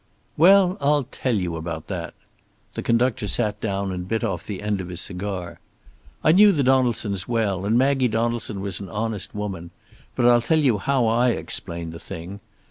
"Well, I'll tell you about that." The conductor sat down and bit off the end of his cigar. "I knew the Donaldsons well, and Maggie Donaldson was an honest woman. But I'll tell you how I explain the thing.